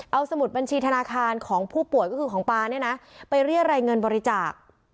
เอาสมุดบัญชีธนาคารของผู้ป่วยก็คือของป๊าเนี่ยนะไปเรียรายเงินบริจาค